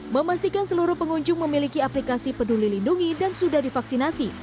memastikan seluruh pengunjung memiliki aplikasi peduli lindungi dan sudah divaksinasi